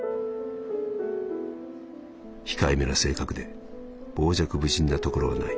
「控えめな性格で傍若無人なところはない」。